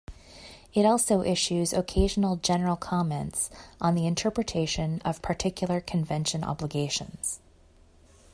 It also issues occasional general comments on the interpretation of particular Convention obligations.